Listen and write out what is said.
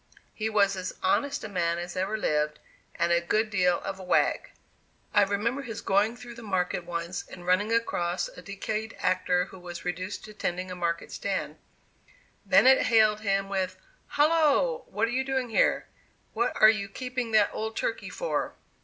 He was as honest a man as ever lived, and a good deal of a wag. I remember his going through the market once and running across a decayed actor who was reduced to tending a market stand; Bennett hailed him with "Hallo! what are you doing here; what are you keeping that old turkey for?"